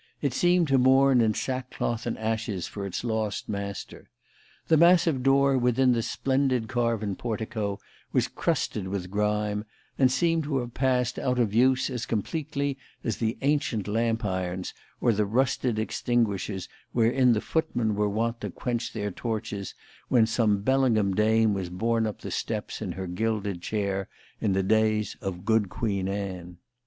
It seemed to mourn in sackcloth and ashes for its lost master. The massive door within the splendid carven portico was crusted with grime, and seemed to have passed out of use as completely as the ancient lamp irons or the rusted extinguishers wherein the footmen were wont to quench their torches when some Bellingham dame was borne up the steps in her gilded chair, in the days of good Queen Anne.